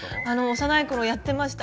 幼い頃やってました。